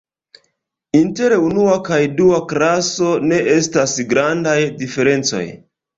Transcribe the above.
Inter unua kaj dua klaso ne estas grandaj diferencoj.